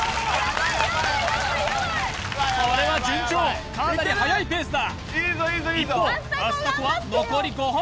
これは順調かなりはやいペースだ一方